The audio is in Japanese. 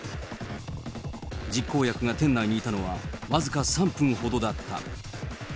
実行役が店内にいたのは僅か３分ほどだった。